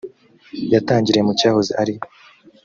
yatangiriye mu cyahoze ari